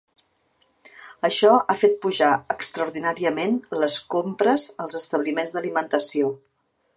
Això ha fet pujar extraordinàriament les compres als establiments d’alimentació.